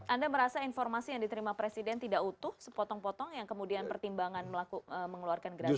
anda merasa informasi yang diterima presiden tidak utuh sepotong potong yang kemudian pertimbangan mengeluarkan grasi